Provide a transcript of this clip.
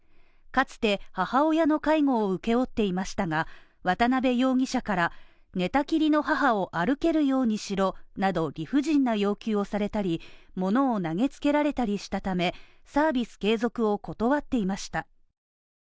かつて母親の介護を請け負っていましたが、渡辺容疑者から寝たきりの母を歩けるようにしろなど理不尽な要求をされたり物を投げつけられたりしたため、サービス継続を断っていました。